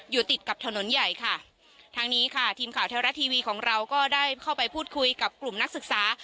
อยู่ติดกับถนนใหญ่ค่ะทางนี้ค่ะทีมข่าวเทวรัฐทีวีของเราก็ได้เข้าไปพูดคุยกับกลุ่มนักศึกษา